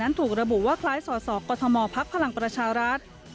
ถึงถูกระบุว่าคล้ายสอสอกกฎมภักดิ์พลังประชารัฐ